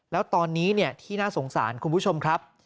แล้วตอนนี้ที่น่าสงสารคุณผู้ชมครับ